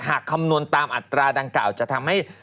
คำนวณตามอัตราดังกล่าวจะทำให้